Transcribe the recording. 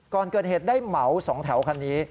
ก่อนเกิดเหตุได้เหมา๒แถวคันนี้